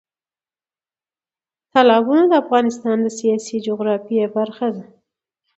تالابونه د افغانستان د سیاسي جغرافیه برخه ده.